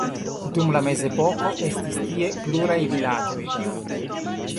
Dum la mezepoko estis tie pluraj vilaĝoj.